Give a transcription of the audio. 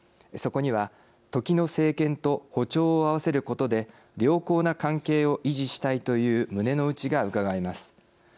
そこには、時の政権と歩調を合わせることで良好な関係を維持したいという胸の内がうかがえます。